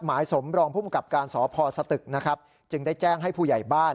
หมายสมรองภูมิกับการสพสตึกนะครับจึงได้แจ้งให้ผู้ใหญ่บ้าน